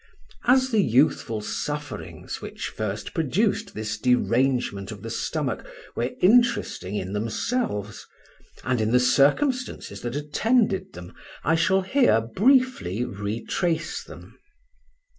As the youthful sufferings which first produced this derangement of the stomach were interesting in themselves, and in the circumstances that attended them, I shall here briefly retrace them.